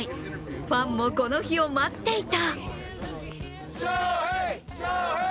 ファンもこの日を待っていた。